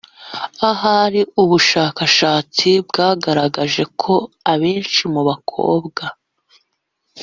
hari ubushakashatsi bwagaragaje ko abenshi mu bakobwa